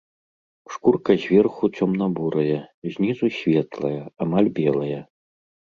Шкурка зверху цёмна-бурая, знізу светлая, амаль белая.